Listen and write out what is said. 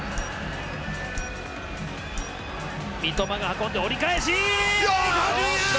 三笘が運んで折り返し。